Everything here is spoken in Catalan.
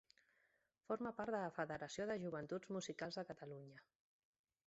Forma part de la Federació de Joventuts Musicals de Catalunya.